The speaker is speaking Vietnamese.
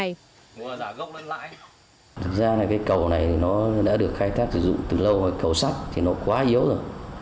thực ra cầu này đã được khai thác sử dụng từ lâu rồi cầu sắt thì nó quá yếu rồi